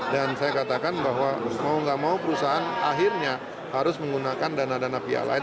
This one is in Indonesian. dan saya katakan bahwa mau gak mau perusahaan akhirnya harus menggunakan dana dana biaya lain